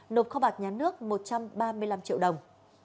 nộp kho bạc nhà nước một trăm ba mươi năm triệu đồng